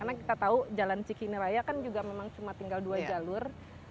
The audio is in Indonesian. karena kita tahu jalan cikineraya kan juga memang tinggal dua jalur